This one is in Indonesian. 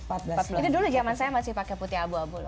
itu dulu zaman saya masih pakai putih abu abu